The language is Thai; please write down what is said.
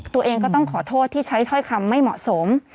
ตัวเองก็ต้องขอโทษที่ใช้ถ้อยคำไม่เหมาะสม